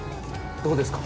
どうですか？